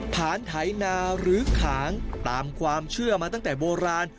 ฐานไถนาหรือขางตามความเชื่อมาตั้งแต่โบราณ